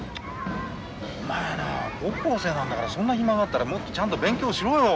お前な高校生なんだからそんな暇があったらもっとちゃんと勉強しろよ！